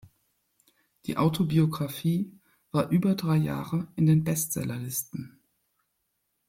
Die Autobiographie war über drei Jahre in den Bestsellerlisten.